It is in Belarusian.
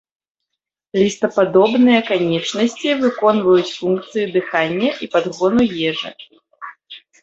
Лістападобныя канечнасці выконваюць функцыі дыхання і падгону ежы.